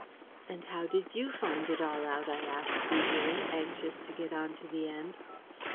"And how did you find it all out?" I asked eagerly, anxious to get on to the end.